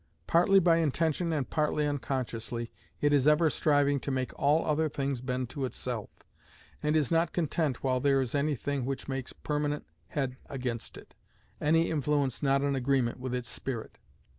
Partly by intention and partly unconsciously, it is ever striving to make all other things bend to itself, and is not content while there is any thing which makes permanent head against it, any influence not in agreement with its spirit.